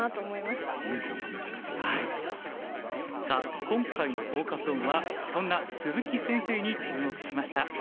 さあ今回のフォーカス・オンはそんな鈴木先生に注目しました。